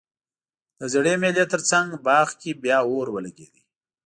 د زړې مېلې ترڅنګ باغ کې بیا اور ولګیده